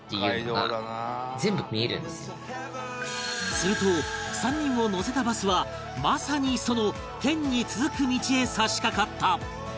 すると３人を乗せたバスはまさにその天に続く道へ差しかかった